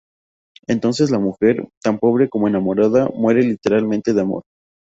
Entonces la mujer, tan pobre como enamorada, muere literalmente de amor.